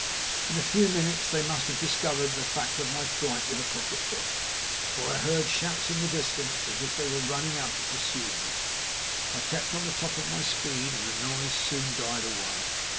In a few minutes they must have discovered the fact of my flight with the pocketbook, for I heard shouts in the distance as if they were running out to pursue me. I kept on at the top of my speed, and the noise soon died away.